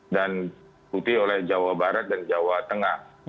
dan putih oleh jawa barat dan jawa tengah